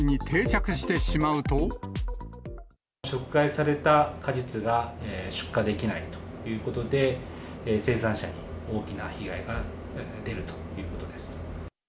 食害された果実が出荷できないということで、生産者に大きな被害が出るということです。